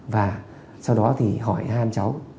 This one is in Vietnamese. và sau đó thì hỏi hai anh cháu